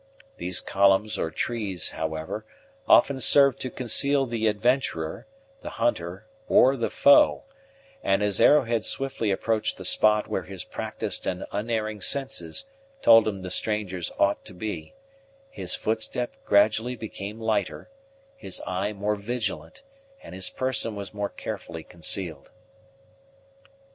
These columns or trees, however, often served to conceal the adventurer, the hunter, or the foe; and, as Arrowhead swiftly approached the spot where his practised and unerring senses told him the strangers ought to be, his footstep gradually became lighter, his eye more vigilant, and his person was more carefully concealed.